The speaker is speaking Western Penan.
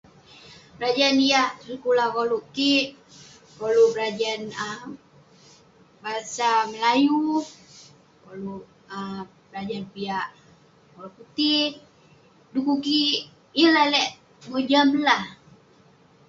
Berajan yah tong sekulah koluk kik, koluk berajan um bahasa Melayu, koluk um berajan piak orang putih. Dekuk kik yeng lalek mojam lah.